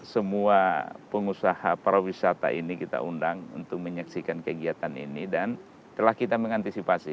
semua pengusaha para wisata ini kita undang untuk menyaksikan kegiatan ini dan telah kita mengantisipasi